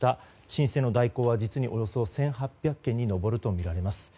申請の代行は実におよそ１８００件に上るとみられます。